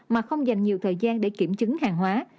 mà không dành nhiều thời gian để kiểm chứng hàng hóa